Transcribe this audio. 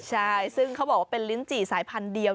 ใช่ซึ่งเขาบอกว่าเป็นลิ้นจี่สายพันธุ์เดียว